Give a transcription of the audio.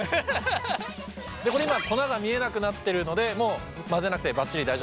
これ今粉が見えなくなってるのでもう混ぜなくてばっちり大丈夫です。